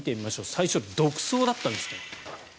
最初、独走だったんですね。